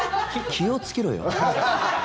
気をつけろよ。